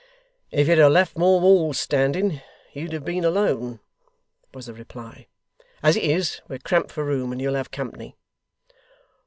'If you'd have left more walls standing, you'd have been alone,' was the reply. 'As it is, we're cramped for room, and you'll have company.